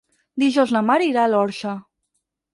Dijous na Mar irà a l'Orxa.